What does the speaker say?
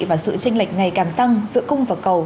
và sự tranh lệch ngày càng tăng giữa cung và cầu